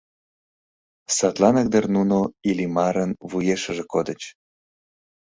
Садланак дыр нуно Иллимарын вуешыже кодыч.